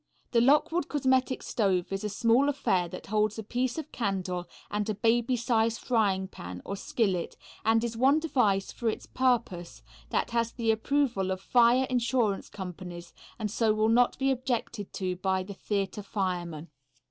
The Lockwood Cosmetic Stove is a small affair that holds a piece of candle and a baby size frying pan, or skillet, and is one device for its purpose that has the approval of fire insurance companies and so will not be objected to by the theatre fireman.